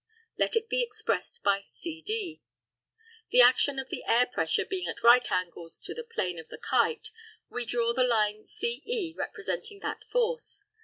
Let it be expressed by CD. The action of the air pressure being at right angles to the plane of the kite, we draw the line CE representing that force.